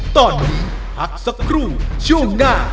ตอนนี้พักสักครู่ช่วงหน้า